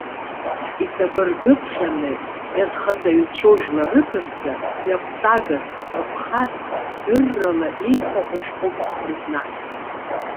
Иҵабыргыҵәҟьаны, иазхаҵаҩцәоу жәларык рзы мҩақәҵагас, лыԥхас, дыррала иеиҭаҳәоу шәҟәык рызнаҳгеит.